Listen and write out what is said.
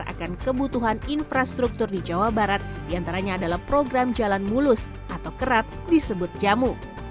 akan kebutuhan infrastruktur di jawa barat diantaranya adalah program jalan mulus atau kerap disebut jamu